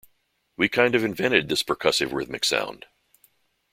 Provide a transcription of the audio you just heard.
We kind of invented this percussive rhythmic sound.